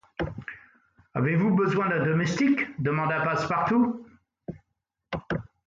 Avez-vous besoin d’un domestique ? demanda Passepartout.